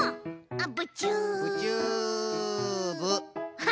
あっ！